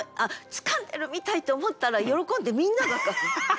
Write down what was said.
掴んでるみたい」って思ったら喜んでみんなが書く。